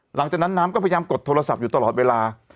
หลังจากนั้นน้ำก็พยายามกดโทรศัพท์อยู่ตลอดเวลา